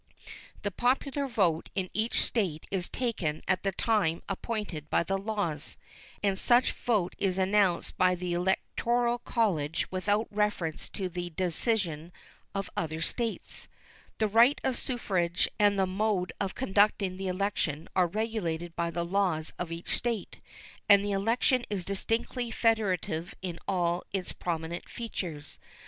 The popular vote in each State is taken at the time appointed by the laws, and such vote is announced by the electoral college without reference to the decision of other States. The right of suffrage and the mode of conducting the election are regulated by the laws of each State, and the election is distinctly federative in all its prominent features.